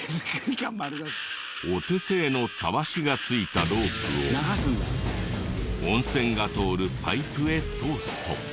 お手製のたわしが付いたロープを温泉が通るパイプへ通すと。